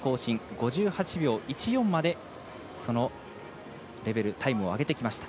５８秒１４までそのレベルタイムを上げてきました。